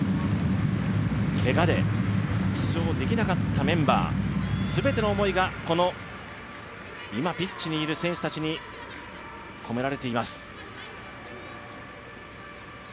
けがで出場できなかったメンバー全ての思いが今、ピッチにいる選手に込められています。